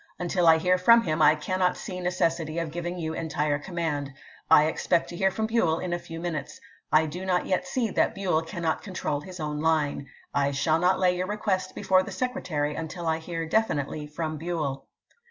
Until I hear from him I cannot see neces sity of giving you entire command. I expect to hear from Buell in a few minutes. I do not yet see t? m»VS, 't^^t BueU cannot control his own line. I shall not i862f^w?R. lay your request before the Secretary until I hear p. 645. ■' definitely from Buell."